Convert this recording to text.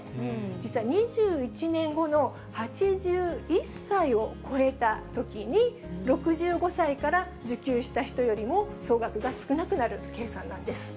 実は２１年後の、８１歳を超えたときに、６５歳から受給した人よりも総額が少なくなる計算なんです。